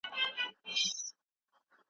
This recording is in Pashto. که غواړې پوه شې نو کتاب ولوله.